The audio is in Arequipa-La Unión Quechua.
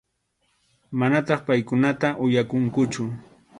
Manataq paykunata uyakunchu.